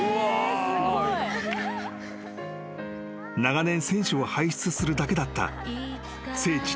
［長年選手を輩出するだけだった聖地